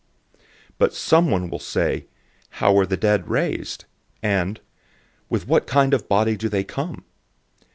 015:035 But someone will say, "How are the dead raised?" and, "With what kind of body do they come?"